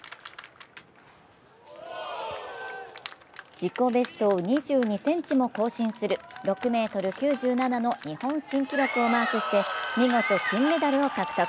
自己ベストを２２ｃｍも更新する６ｍ９７の日本新記録をマークして見事金メダルを獲得。